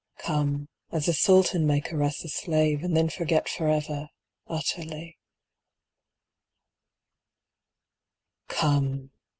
Come, as a Sultan may caress a slave And then forget for ever, utterly. Come!